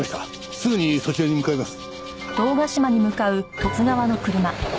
すぐにそちらに向かいます。